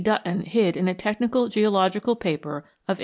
Dutton hid in a technical geological paper of 1880.